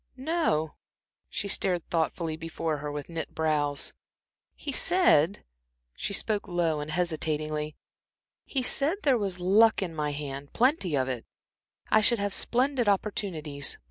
"No." She stared thoughtfully before her with knit brows. "He said" she spoke low and hesitatingly "he said there was luck in my hand plenty of it; I should have splendid opportunities.